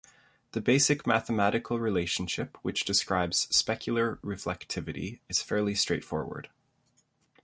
The basic mathematical relationship which describes specular reflectivity is fairly straightforward.